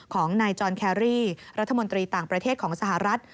ของนายจอนแครรี่รัฐมนตรีต่างประเทศของสหรัฐ